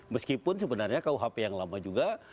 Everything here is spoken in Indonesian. meskipun sebenarnya kuhp yang lama juga